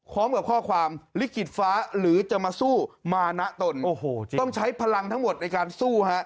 พร้อมกับข้อความลิขิตฟ้าหรือจะมาสู้มานะตนโอ้โหต้องใช้พลังทั้งหมดในการสู้ฮะ